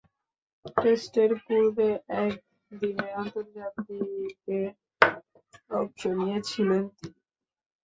টেস্টের পূর্বে একদিনের আন্তর্জাতিকে অংশ নিয়েছিলেন তিনি।